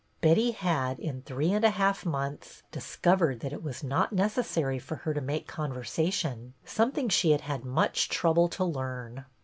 Betty had, in three and a half months, discovered that it was not nec essary for her to make conversation, — some thing she had had much trouble to learn.